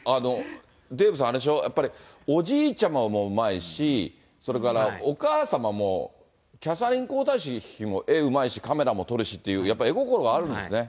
デーブさん、あれでしょ、やっぱりおじいちゃまもうまいし、それからお母様も、キャサリン皇太子妃も絵、うまいし、カメラも撮るし、やっぱり絵心があるんですね。